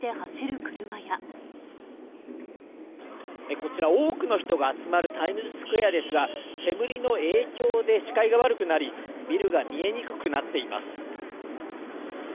こちら、多くの人が集まるタイムズスクエアですが、煙の影響で視界が悪くなり、ビルが見えにくくなっています。